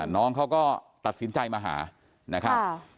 น้องเขาก็ตัดสินใจมาหานะครับ